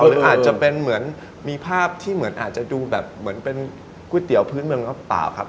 หรืออาจจะเป็นเหมือนมีภาพที่เหมือนอาจจะดูแบบเหมือนเป็นก๋วยเตี๋ยวพื้นเมืองหรือเปล่าครับ